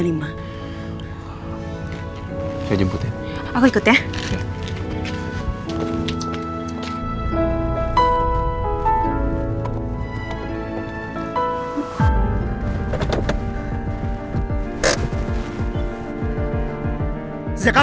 saya jemput ya